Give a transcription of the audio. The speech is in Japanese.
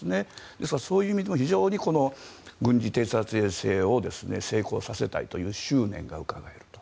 ですから、そういう意味でも非常に軍事偵察衛星を成功させたいという執念がうかがえると。